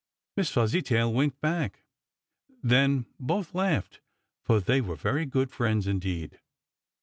Miss Fuzzytail winked back. Then both laughed, for they were very good friends, indeed.